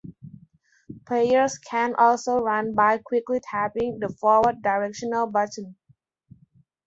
Players can also run by quickly tapping the forward directional button.